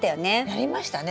やりましたね。